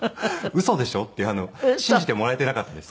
「ウソでしょ？」って信じてもらえていなかったです。